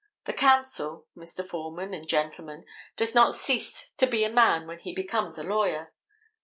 The counsel, Mr. Foreman and gentlemen, does not cease to be a man when he becomes a lawyer.